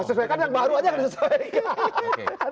sesuaikan yang baru aja kan sesuaikan